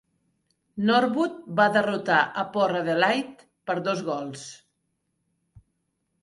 Norwood va derrotar a Port Adelaide per dos gols.